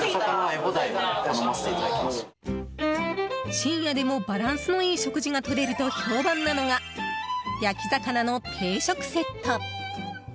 深夜でもバランスのいい食事がとれると評判なのが焼き魚の定食セット。